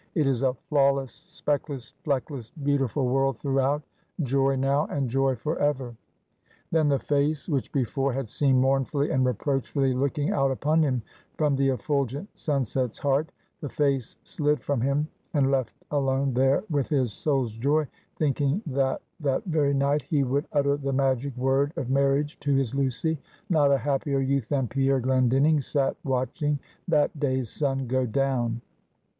It is a flawless, speckless, fleckless, beautiful world throughout; joy now, and joy forever! Then the face, which before had seemed mournfully and reproachfully looking out upon him from the effulgent sunset's heart; the face slid from him; and left alone there with his soul's joy, thinking that that very night he would utter the magic word of marriage to his Lucy; not a happier youth than Pierre Glendinning sat watching that day's sun go down.